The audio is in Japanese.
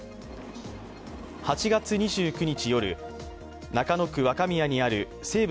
８月２９日夜、中野区若宮にある西武